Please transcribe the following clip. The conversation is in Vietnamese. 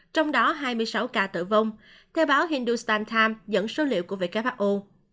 năm mươi một ba trăm tám mươi sáu trong đó hai mươi sáu ca tử vong theo báo hindustan times dẫn số liệu của who